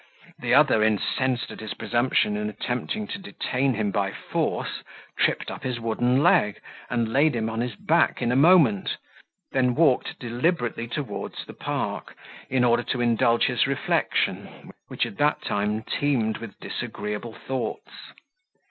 The other, incensed at his presumption in attempting to detain him by force, tripped up his wooden leg, and laid him on his back in a moment; then walked deliberately towards the park, in order to indulge his reflection, which at that time teemed with disagreeable thoughts.